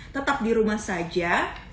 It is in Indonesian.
tetap di rumah saja